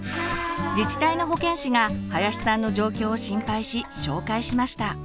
自治体の保健師が林さんの状況を心配し紹介しました。